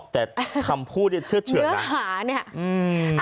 แต่คำพูดเนื้อหาเนี่ย